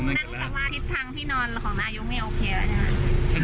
ของนายกไม่โอเคหรือนะ